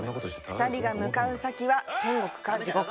２人が向かう先は天国か地獄か。